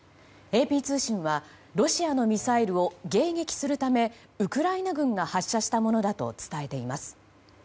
ＡＰ通信はロシアのミサイルを迎撃するためウクライナ軍が発射したものだと伝えています。